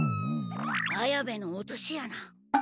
綾部の落とし穴。